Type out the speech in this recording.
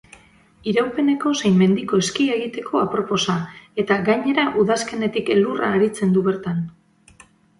Iraupeneko zein mendiko eskia egiteko aproposa eta gainera udazkenetik elurra aritzen du bertan.